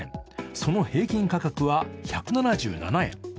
その平均価格は１７７円。